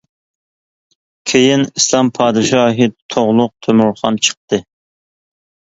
كېيىن ئىسلام پادىشاھى تۇغلۇق تۆمۈرخان چىقتى.